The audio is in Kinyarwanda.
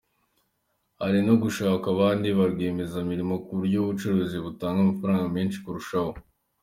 Hari no gushakwa abandi ba rwiyemezamirimo ku buryo ubucukuzi butanga amafaranga menshi kurushaho.